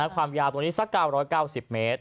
ความยาวตรงนี้สัก๙๙๐เมตร